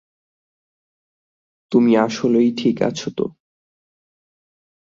তুমি আসলেই ঠিক আছ তো?